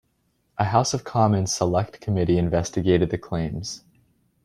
A House of Commons select committee investigated the claims.